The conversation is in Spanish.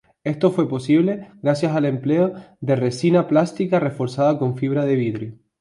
Esto fue posible gracias al empleo de resina plástica reforzada con fibra de vidrio.